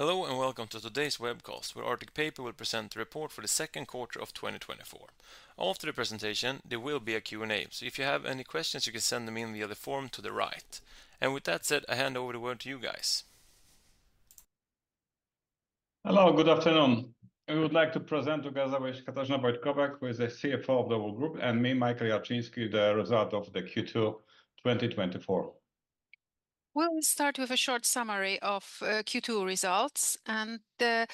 Hello, and welcome to today's webcast, where Arctic Paper will present the report for the second quarter of 2024. After the presentation, there will be a Q&A, so if you have any questions, you can send them in via the form to the right. With that said, I hand over the word to you guys. Hello, good afternoon. I would like to present together with Katarzyna Wojtkowiak, who is the CFO of the whole group, and me, Michał Jarczyński, the result of the Q2 2024. Well, we start with a short summary of Q2 results, and the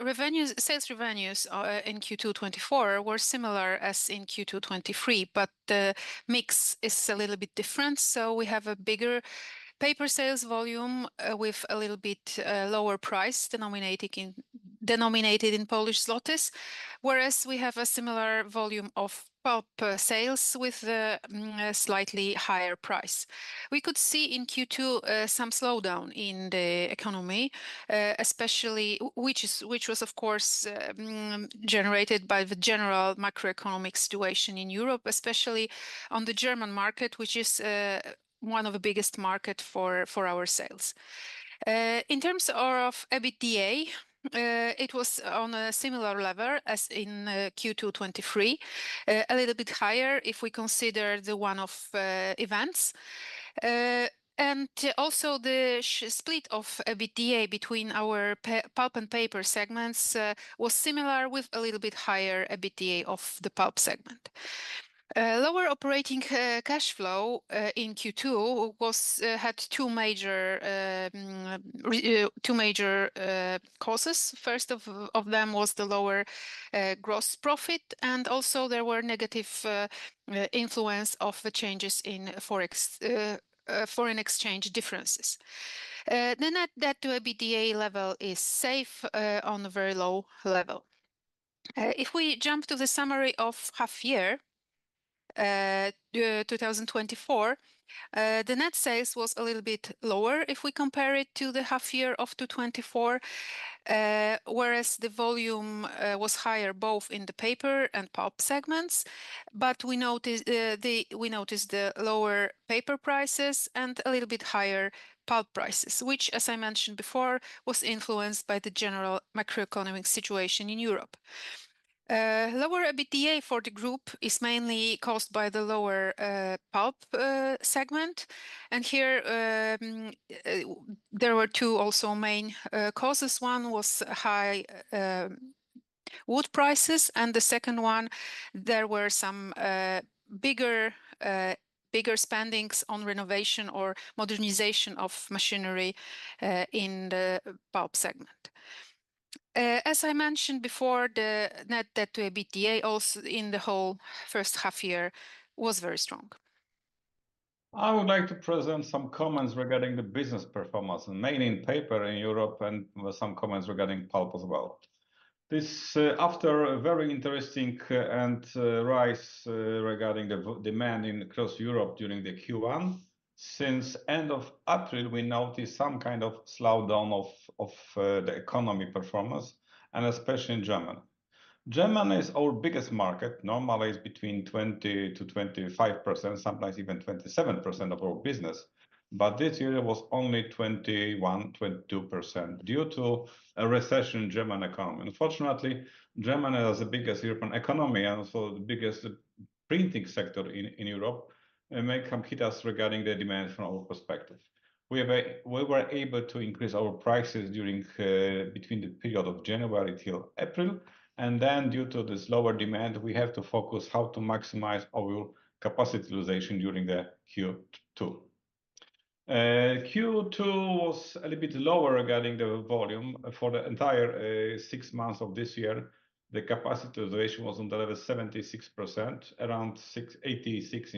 revenues, sales revenues, in Q2 2024 were similar as in Q2 2023, but the mix is a little bit different. So we have a bigger paper sales volume, with a little bit lower price, denominated in Polish zlotys. Whereas we have a similar volume of pulp sales with a slightly higher price. We could see in Q2 some slowdown in the economy, especially, which was, of course, generated by the general macroeconomic situation in Europe, especially on the German market, which is one of the biggest market for our sales. In terms of EBITDA, it was on a similar level as in Q2 2023. A little bit higher if we consider the one-off events. Also the split of EBITDA between our pulp and paper segments was similar, with a little bit higher EBITDA of the pulp segment. Lower operating cash flow in Q2 had two major causes. First of them was the lower gross profit, and also there were negative influence of the changes in forex, foreign exchange differences. The net debt-to-EBITDA level is safe on a very low level. If we jump to the summary of half year 2024, the net sales was a little bit lower if we compare it to the half year of 2024, whereas the volume was higher both in the paper and pulp segments. But we noticed the lower paper prices and a little bit higher pulp prices, which, as I mentioned before, was influenced by the general macroeconomic situation in Europe. Lower EBITDA for the group is mainly caused by the lower pulp segment. And here, there were two also main causes. One was high wood prices, and the second one, there were some bigger spending on renovation or modernization of machinery in the pulp segment. As I mentioned before, the net debt-to-EBITDA, also in the whole first half year, was very strong. I would like to present some comments regarding the business performance, mainly in paper in Europe, and with some comments regarding pulp as well. This, after a very interesting, and rise, regarding the demand across Europe during the Q1, since end of April, we noticed some kind of slowdown of, the economy performance, and especially in Germany. Germany is our biggest market, normally is between 20%-25%, sometimes even 27% of our business. But this year it was only 21%-22% due to a recession in German economy. Unfortunately, Germany is the biggest European economy and also the biggest printing sector in Europe, and impacts us regarding the demand from all perspectives. We were able to increase our prices during the period of January till April, and then due to this lower demand, we have to focus how to maximize our capacity utilization during Q2. Q2 was a little bit lower regarding the volume for the entire six months of this year. The capacity utilization was on the level 76%, around 86%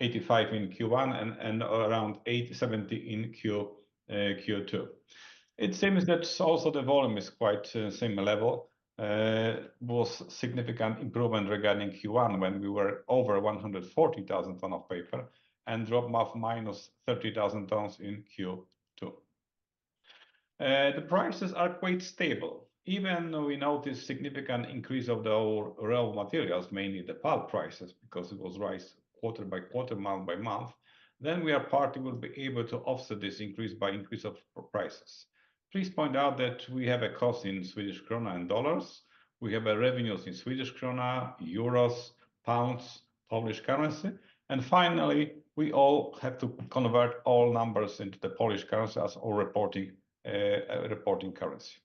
in Q1 and around 80% in Q2. It seems that also the volume is quite the same level. There was significant improvement regarding Q1, when we were over 140,000 tons of paper, and drop off minus 30,000 tons in Q2. The prices are quite stable. Even though we noticed significant increase of the raw materials, mainly the pulp prices, because it was rise quarter by quarter, month by month, then we are partly will be able to offset this increase by increase of prices. Please point out that we have a cost in Swedish krona and dollars. We have a revenues in Swedish krona, euros, pounds, Polish currency, and finally, we all have to convert all numbers into the Polish currency as our reporting, reporting currency.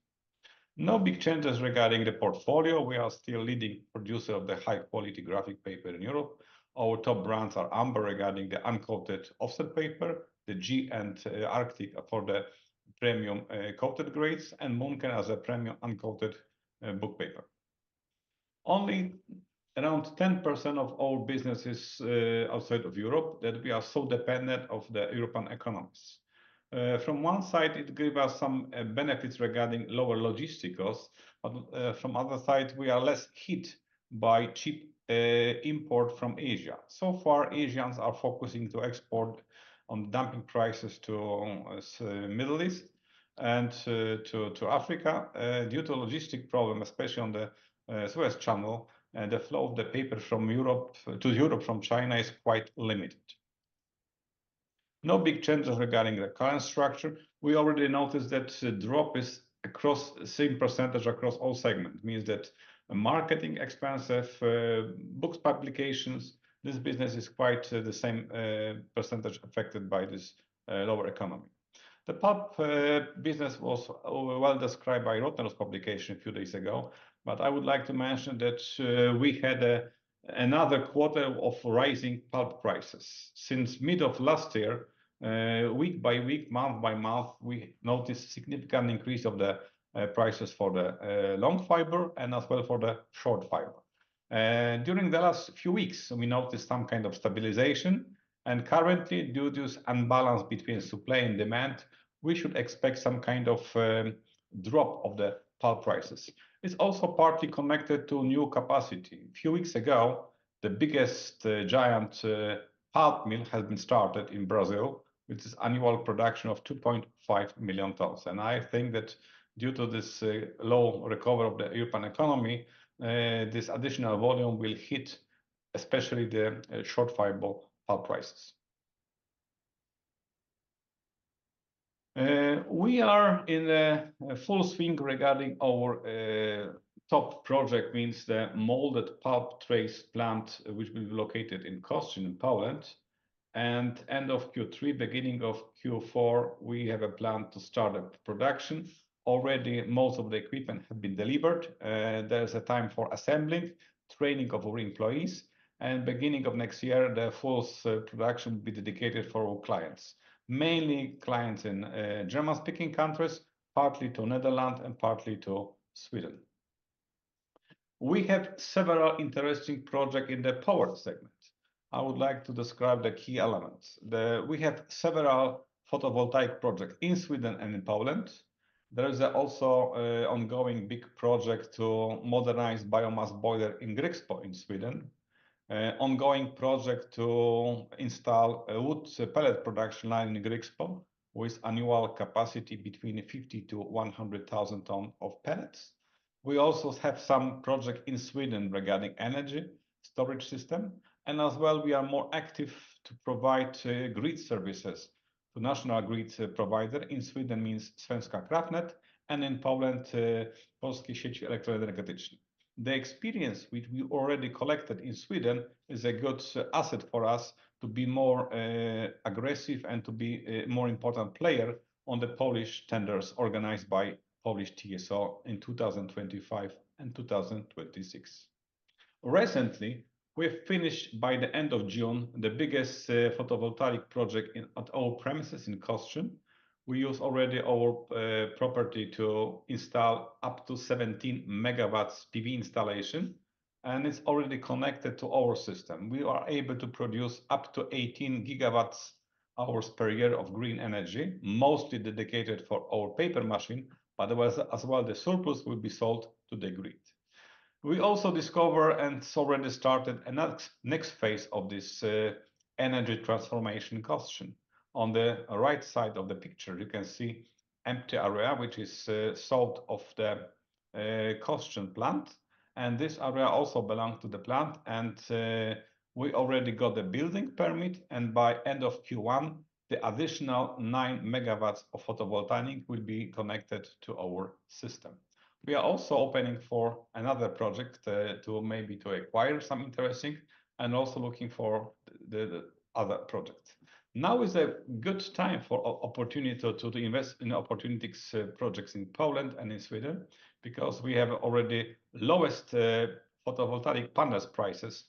No big changes regarding the portfolio. We are still leading producer of the high-quality graphic paper in Europe. Our top brands are Amber, regarding the uncoated offset paper, the G and Arctic for the premium coated grades, and Munken as a premium uncoated book paper. Only around 10% of all business is outside of Europe, that we are so dependent of the European economies. From one side, it give us some benefits regarding lower logistic costs, but from other side, we are less hit by cheap import from Asia. So far, Asians are focusing to export on dumping prices to Middle East and to Africa. Due to logistic problem, especially on the Suez Canal, the flow of the paper from Europe, to Europe from China is quite limited. No big changes regarding the current structure. We already noticed that the drop is across same percentage across all segment. Means that marketing expense of books, publications, this business is quite the same percentage affected by this lower economy. The pulp business was well described by Rottneros publication a few days ago, but I would like to mention that we had another quarter of rising pulp prices. Since mid of last year, week by week, month by month, we noticed significant increase of the prices for the long fiber and as well for the short fiber. During the last few weeks, we noticed some kind of stabilization, and currently, due to this imbalance between supply and demand, we should expect some kind of drop of the pulp prices. It's also partly connected to new capacity. A few weeks ago, the biggest, giant, pulp mill has been started in Brazil, with its annual production of 2.5 million tons, and I think that due to this, low recovery of the European economy, this additional volume will hit especially the, short fiber pulp prices. We are in a, a full swing regarding our, top project, means the molded pulp trays plant, which will be located in Kostrzyn in Poland. End of Q3, beginning of Q4, we have a plan to start up production. Already, most of the equipment have been delivered. There is a time for assembling, training of our employees, and beginning of next year, the full production will be dedicated for our clients. Mainly clients in, German-speaking countries, partly to Netherlands, and partly to Sweden. We have several interesting project in the power segment. I would like to describe the key elements. We have several photovoltaic projects in Sweden and in Poland. There is also an ongoing big project to modernize biomass boiler in Grycksbo, in Sweden. Ongoing project to install a wood pellet production line in Grycksbo, with annual capacity between 50-100,000 tons of pellets. We also have some project in Sweden regarding energy storage system, and as well, we are more active to provide grid services to national grid provider. In Sweden, means Svenska kraftnät, and in Poland, Polskie Sieci Elektroenergetyczne. The experience which we already collected in Sweden is a good asset for us to be more aggressive and to be a more important player on the Polish tenders organized by Polish TSO in 2025 and 2026. Recently, we have finished, by the end of June, the biggest photovoltaic project in at our premises in Kostrzyn. We use already our property to install up to 17 MW PV installation, and it's already connected to our system. We are able to produce up to 18 GWh per year of green energy, mostly dedicated for our paper machine, but there was, as well, the surplus will be sold to the grid. We also discover, and it's already started, another next phase of this energy transformation Kostrzyn. On the right side of the picture, you can see empty area, which is south of the Kostrzyn plant, and this area also belong to the plant. And we already got the building permit, and by end of Q1, the additional 9 MW of photovoltaic will be connected to our system. We are also opening for another project, to maybe to acquire some interesting, and also looking for the, the other projects. Now is a good time for opportunity to, to invest in opportunities, projects in Poland and in Sweden, because we have already lowest, photovoltaic panels prices,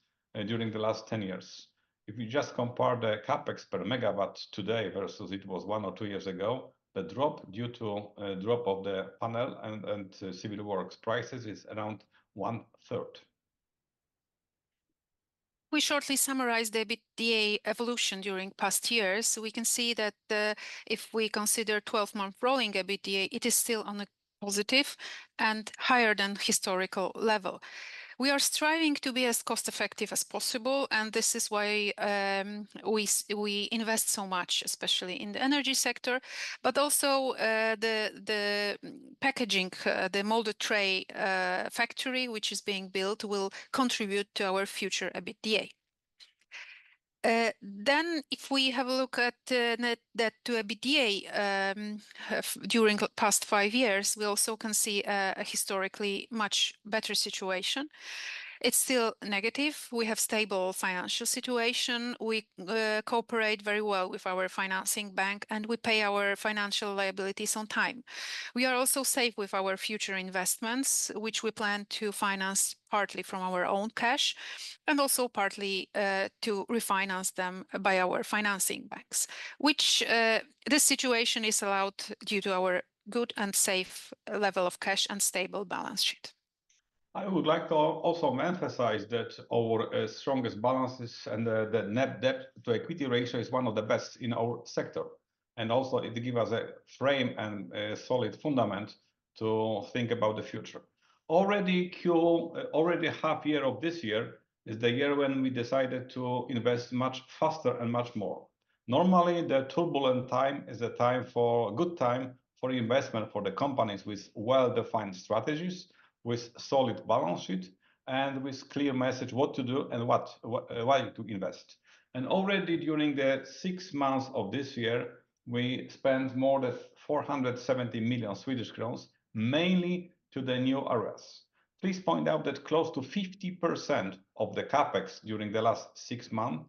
during the last 10 years. If you just compare the CapEx per megawatt today versus it was one or two years ago, the drop due to, drop of the panel and, and civil works prices is around one third. We shortly summarize the EBITDA evolution during past years. We can see that, if we consider 12-month rolling EBITDA, it is still on a positive and higher than historical level. We are striving to be as cost-effective as possible, and this is why we invest so much, especially in the energy sector. But also, the packaging, the molded tray factory, which is being built, will contribute to our future EBITDA. Then, if we have a look at net to EBITDA during the past five years, we also can see a historically much better situation. It's still negative. We have stable financial situation. We cooperate very well with our financing bank, and we pay our financial liabilities on time. We are also safe with our future investments, which we plan to finance partly from our own cash, and also partly, to refinance them by our financing banks, which, this situation is allowed due to our good and safe level of cash and stable balance sheet. I would like to also emphasize that our strongest balances and the net debt to equity ratio is one of the best in our sector, and also it give us a frame and a solid fundament to think about the future. Already Q already half year of this year is the year when we decided to invest much faster and much more. Normally, the turbulent time is a time for good time for investment for the companies with well-defined strategies, with solid balance sheet, and with clear message what to do and what why to invest. Already during the six months of this year, we spent more than 470 million Swedish crowns, mainly to the new RES. Please point out that close to 50% of the CapEx during the last six months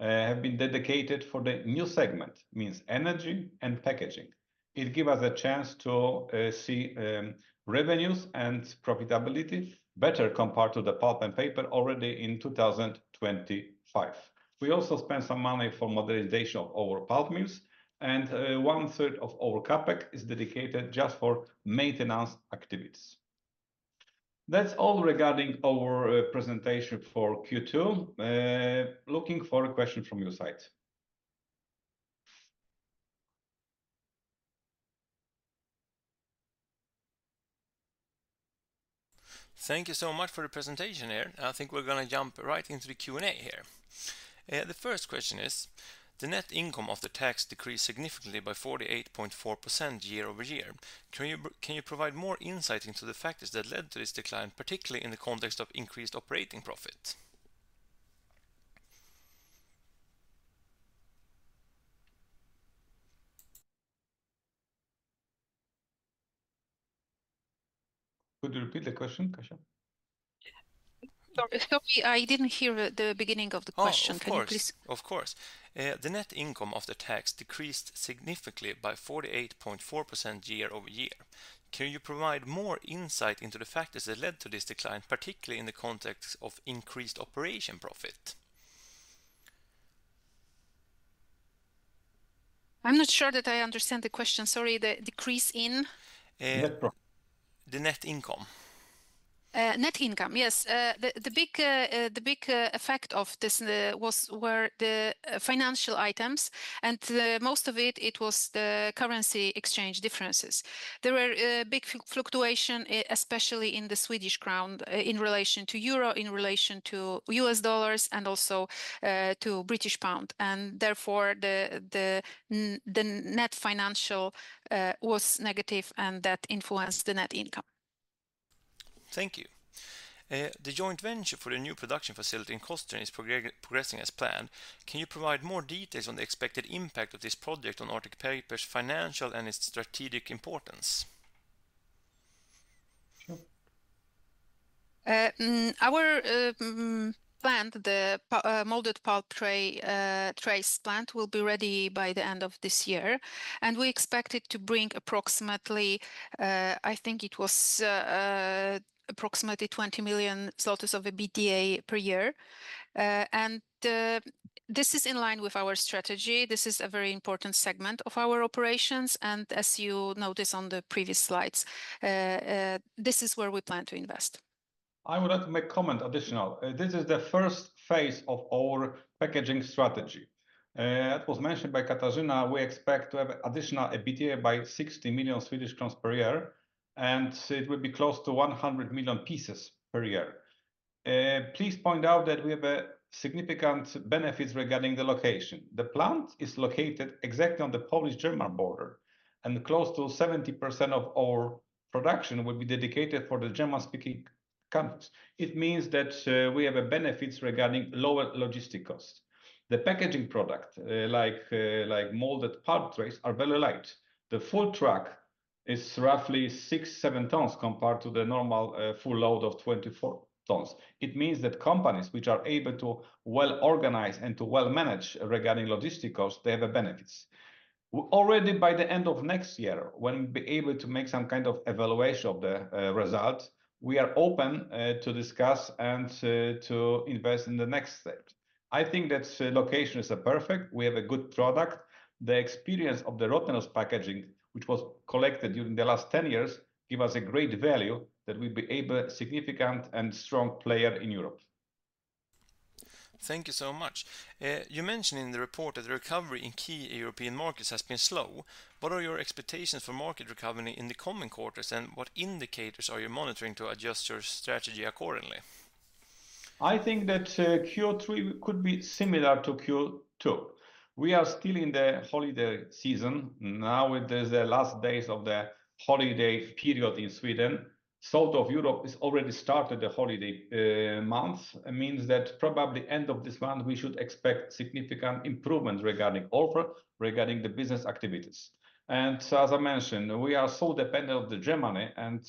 have been dedicated for the new segment, means energy and packaging. It give us a chance to see revenues and profitability better compared to the pulp and paper already in 2025. We also spent some money for modernization of our pulp mills, and one third of our CapEx is dedicated just for maintenance activities. That's all regarding our presentation for Q2. Looking for a question from your side. Thank you so much for the presentation here, and I think we're gonna jump right into the Q&A here. The first question is: The net income after tax decreased significantly by 48.4% year-over-year. Can you provide more insight into the factors that led to this decline, particularly in the context of increased operating profit? Could you repeat the question, Katarzyna? Yeah. Sorry, sorry, I didn't hear the beginning of the question. Oh, of course. Can you please- Of course. The net income after tax decreased significantly by 48.4% year-over-year. Can you provide more insight into the factors that led to this decline, particularly in the context of increased operating profit? I'm not sure that I understand the question, sorry. The decrease in? Net profit. The net income. Net income, yes. The big effect of this were the financial items, and most of it was the currency exchange differences. There were big fluctuation especially in the Swedish crown in relation to euro, in relation to U.S. dollars, and also to British pound, and therefore, the net financial was negative, and that influenced the net income. Thank you. The joint venture for the new production facility in Kostrzyn is progressing as planned. Can you provide more details on the expected impact of this project on Arctic Paper's financial and its strategic importance? Sure. Our molded pulp trays plant will be ready by the end of this year, and we expect it to bring approximately EUR 20 million in EBITDA per year. This is in line with our strategy. This is a very important segment of our operations, and as you notice on the previous slides, this is where we plan to invest. I would like to make comment additional. This is the first phase of our packaging strategy. It was mentioned by Katarzyna, we expect to have additional EBITDA by 60 million Swedish crowns per year, and it will be close to 100 million pieces per year. Please point out that we have a significant benefits regarding the location. The plant is located exactly on the Polish-German border, and close to 70% of our production will be dedicated for the German-speaking countries. It means that, we have a benefits regarding lower logistic cost. The packaging product, like, like molded pulp trays, are very light. The full truck is roughly 6-7 tons, compared to the normal, full load of 24 tons. It means that companies which are able to well-organize and to well-manage regarding logistic cost, they have a benefits. Already by the end of next year, when we'll be able to make some kind of evaluation of the result, we are open to discuss and to invest in the next step. I think that location is perfect. We have a good product. The experience of the Rottneros packaging, which was collected during the last 10 years, give us a great value that we'll be able significant and strong player in Europe. Thank you so much. You mentioned in the report that the recovery in key European markets has been slow. What are your expectations for market recovery in the coming quarters, and what indicators are you monitoring to adjust your strategy accordingly? I think that, Q3 could be similar to Q2. We are still in the holiday season. Now, it is the last days of the holiday period in Sweden. South of Europe is already started the holiday month. It means that probably end of this month, we should expect significant improvement regarding order, regarding the business activities. And as I mentioned, we are so dependent on Germany, and,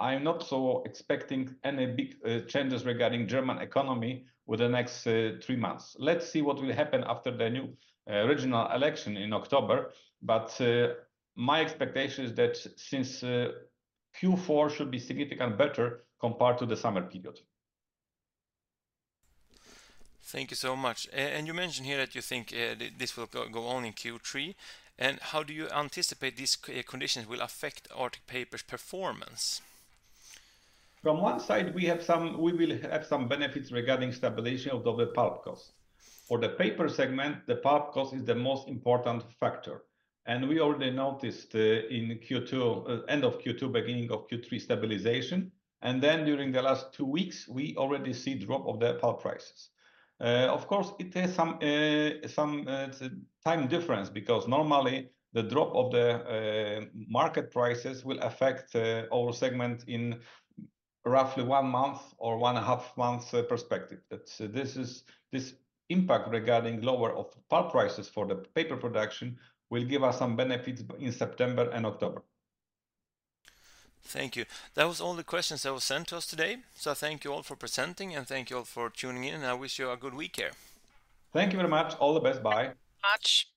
I'm not so expecting any big, changes regarding German economy with the next, three months. Let's see what will happen after the new, regional election in October, but, my expectation is that since, Q4 should be significant better compared to the summer period. Thank you so much. And you mentioned here that you think this will go on in Q3. And how do you anticipate these conditions will affect Arctic Paper's performance? From one side, we will have some benefits regarding stabilization of the pulp cost. For the paper segment, the pulp cost is the most important factor, and we already noticed in Q2, end of Q2, beginning of Q3, stabilization, and then during the last two weeks, we already see drop of the pulp prices. Of course, it has some time difference, because normally, the drop of the market prices will affect our segment in roughly one month or one and a half months perspective. That this is, this impact regarding lower of pulp prices for the paper production will give us some benefits in September and October. Thank you. That was all the questions that were sent to us today. I thank you all for presenting, and thank you all for tuning in, and I wish you a good week here. Thank you very much. All the best. Bye. Thank you very much!